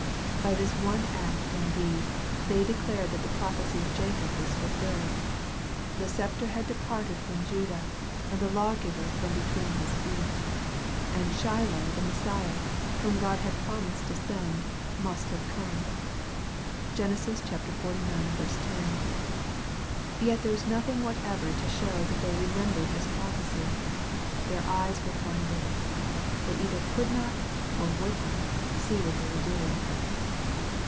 By this one act and deed they declared that the prophecy of Jacob was fulfilled. " The sceptre had departed from Judah, and the lawgiver from between his feet," and Shiloh the Messiah, whom God had promised to send, must have come. (Gen. xlix. 10.) Yet there is nothing whatever to show that they remembered this prophecy. Their eyes were blinded. They either could not, or would not, see what they were doing.